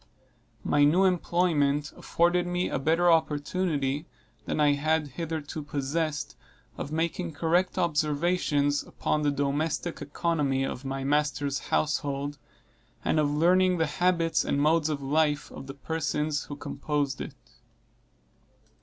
My new employment afforded me a better opportunity than I had hitherto possessed of making correct observations upon the domestic economy of my master's household, and of learning the habits and modes of life of the persons who composed it.